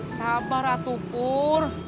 sabar atu pur